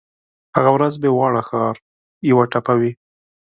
هغه ورځ به واړه ښار یوه ټپه وي